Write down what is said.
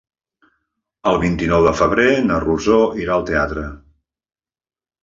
El vint-i-nou de febrer na Rosó irà al teatre.